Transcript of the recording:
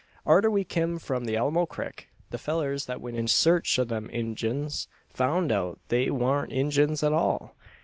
Arter we kim from the Alamo Crik, the fellurs that went in sarch o' them Injuns, foun' out they wan't Injuns at all.